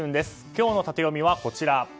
今日のタテヨミはこちら。